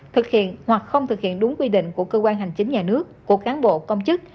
thực hiện hoặc không thực hiện đúng quy định của cơ quan hành chính nhà nước của cán bộ công chức